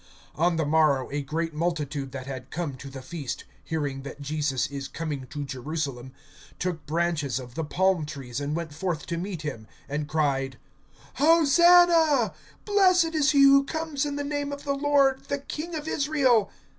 (12)On the morrow a great multitude that had come to the feast, hearing that Jesus is coming to Jerusalem, (13)took branches of the palm trees and went forth to meet him, and cried: Hosanna; blessed is he who comes in the name of the Lord, the King of Israel.